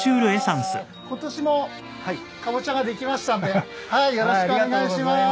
今年もカボチャができましたのでよろしくお願いします。